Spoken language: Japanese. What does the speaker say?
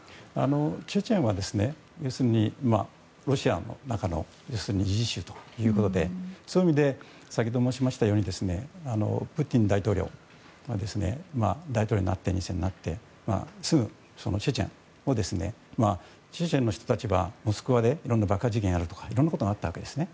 チェチェンはロシアの中の自治州ということでそういう意味で先ほど申したようにプーチン大統領が大統領になってすぐチェチェンを支持者の人はモスクワでいろんな爆破事件があるとかいろんなことがあったんですね。